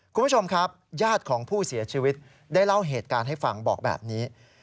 คุณผู้ชมครับญาติของผู้เสียชีวิตได้เล่าเหตุการณ์ให้ฟังบอกแบบนี้